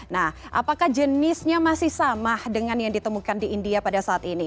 nah apakah jenisnya masih sama dengan yang ditemukan di india pada saat ini